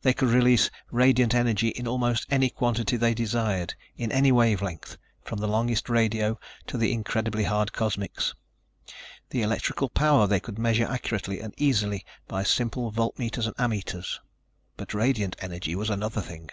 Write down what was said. They could release radiant energy in almost any quantity they desired, in any wave length, from the longest radio to the incredibly hard cosmics. The electrical power they could measure accurately and easily by simple voltmeters and ammeters. But radiant energy was another thing.